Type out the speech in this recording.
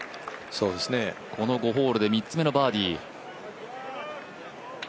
この５ホールで３つ目のバーディー。